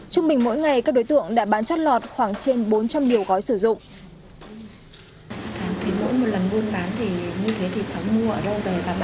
trung bình mỗi ngày các đối tượng đã bán chất lọt khoảng trên bốn trăm linh liều gói sử dụng